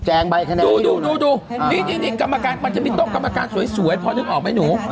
ใบขนาดดูดูนี่กรรมการมันจะมีโต๊ะกรรมการสวยพอนึกออกไหมหนู